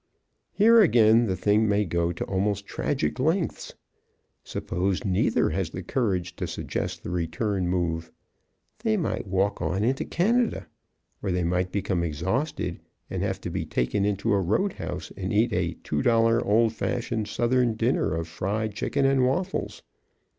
Here again the thing may go to almost tragic lengths. Suppose neither has the courage to suggest the return move. They might walk on into Canada, or they might become exhausted and have to be taken into a roadhouse and eat a "$2 old fashioned Southern dinner of fried chicken and waffles."